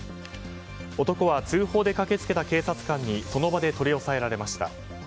男は通報で駆けつけた警察官にその場で取り押さえられました。